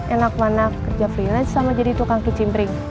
enak mana kerja freelance sama jadi tukang kicimpring